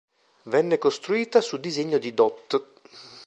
Venne costruita su disegno di dott.